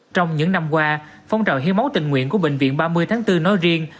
trong những năm qua phong trào hiến máu tình nguyện của bệnh viện ba mươi tháng bốn nói riêng